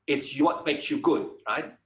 itu yang membuat anda baik